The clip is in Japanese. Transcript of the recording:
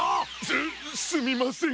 すすみません。